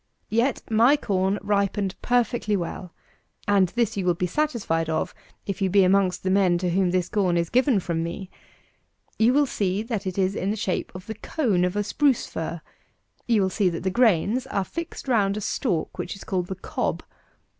Yet my corn ripened perfectly well, and this you will be satisfied of if you be amongst the men to whom this corn is given from me. You will see that it is in the shape of the cone of a spruce fir; you will see that the grains are fixed round a stalk which is called the cob.